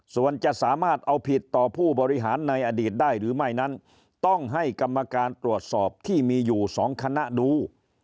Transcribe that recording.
ส่วนจะสามารถเอาผิดต่อผู้บริหารในอดีตได้หรือไม่นั้นต้องให้กรรมการตรวจสอบที่มีอยู่๒คณะดู